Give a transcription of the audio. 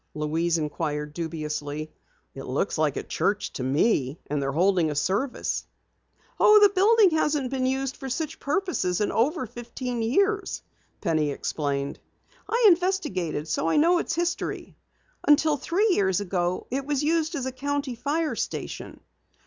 Louise inquired dubiously. "It looks like a church to me, and they're holding a service." "Oh, the building hasn't been used for such purposes in over fifteen years," Penny explained. "I investigated, so I know its history. Until three years ago it was used as a county fire station.